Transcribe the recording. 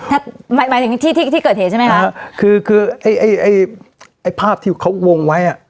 หมายหมายถึงที่ที่ที่เกิดเหตุใช่ไหมคะคือคือไอ้ไอ้ไอ้ภาพที่เขาวงไว้อ่ะ